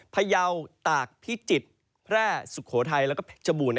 พยาวตากพิจิตรแพร่สุโขทัยและเจบูน